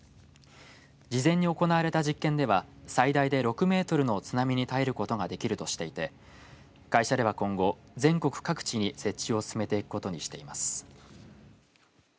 事前に行われた実験では最大で６メートルの津波に耐えることができるとしていて会社では今後全国各地に設置を進めていくことにしています。